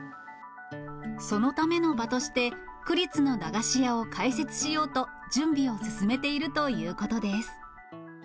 そのための場として、区立の駄菓子屋を開設しようと、準備を進めているということです。